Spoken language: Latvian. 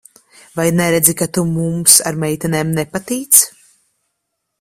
Vai neredzi, ka tu mums ar meitenēm nepatīc?